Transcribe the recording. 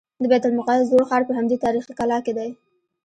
د بیت المقدس زوړ ښار په همدې تاریخي کلا کې دی.